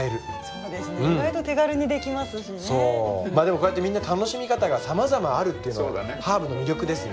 こうやってみんな楽しみ方がさまざまあるっていうのがハーブの魅力ですね。